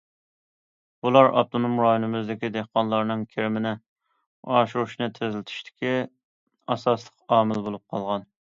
بۇلار ئاپتونوم رايونىمىزدىكى دېھقانلارنىڭ كىرىمىنى ئاشۇرۇشنى تېزلىتىشتىكى ئاساسلىق ئامىل بولۇپ قالغان.